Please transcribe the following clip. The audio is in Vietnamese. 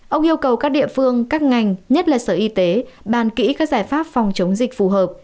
ông yêu cầu các địa phương các ngành nhất là sở y tế bàn kỹ các giải pháp phòng chống dịch phù hợp